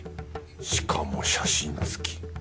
しかも写真つき。